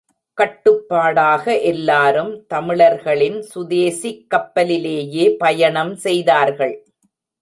கட்டுப்பாடாக எல்லாரும் தமிழர்களின் சுதேசிக் கப்பலிலேயே பயணம் செய்தார்கள்.